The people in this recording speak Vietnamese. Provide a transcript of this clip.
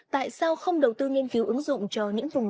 tại sao không đầu tư nghiên cứu ứng dụng cho những vùng